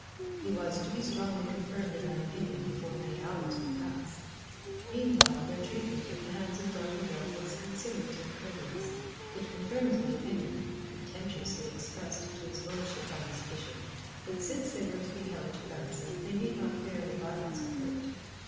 He was to be strongly confirmed in that opinion before many hours were past. Meanwhile their treatment at the hands of Don Miguel was considerate and courteous. It confirmed the opinion, contemptuously expressed to his lordship by Miss Bishop, that since they were to be held to ransom they need not fear any violence or hurt.